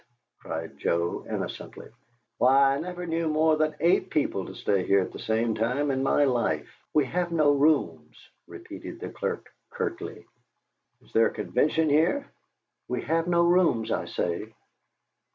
cried Joe, innocently. "Why, I never knew more than eight people to stay here at the same time in my life." "We have no rooms," repeated the clerk, curtly. "Is there a convention here?" "We have no rooms, I say!"